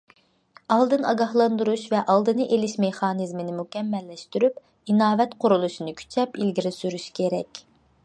ئالدىن ئاگاھلاندۇرۇش ۋە ئالدىنى ئېلىش مېخانىزمىنى مۇكەممەللەشتۈرۈپ، ئىناۋەت قۇرۇلۇشىنى كۈچەپ ئىلگىرى سۈرۈش كېرەك.